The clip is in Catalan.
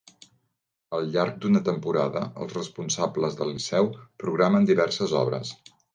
Al llarg d'una temporada, els responsables del Liceu programen diverses obres.